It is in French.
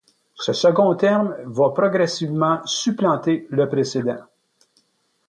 Ce second terme va progressivement supplanter le précédent.